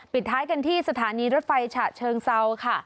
ท้ายกันที่สถานีรถไฟฉะเชิงเซาค่ะ